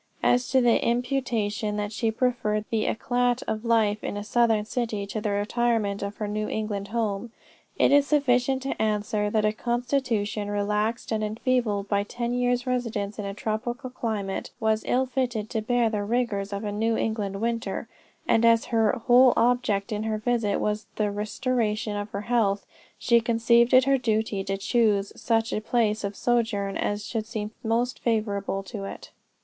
As to the imputation that she preferred the eclat of life in a southern city, to the retirement of her New England home, it is sufficient to answer, that a constitution relaxed and enfeebled by ten years' residence in a tropical climate, was ill fitted to bear the rigors of a New England winter, and as her whole object in her visit, was the restoration of her health, she conceived it her duty to choose such a place of sojourn as should seem most favorable to it.